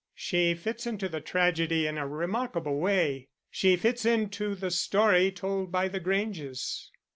"She fits into the tragedy in a remarkable way she fits into the story told by the Granges."